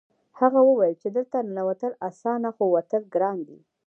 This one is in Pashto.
هغه وویل چې دلته ننوتل اسانه خو وتل ګران دي